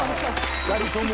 ２人とも。